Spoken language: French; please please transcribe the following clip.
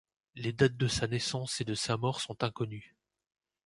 Les dates de sa naissance et de sa mort sont inconnues.